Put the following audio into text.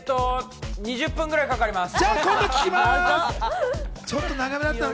２０分くらいかかります。